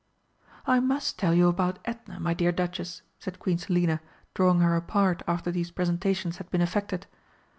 "I must tell you about Edna, my dear Duchess," said Queen Selina, drawing her apart after these presentations had been effected.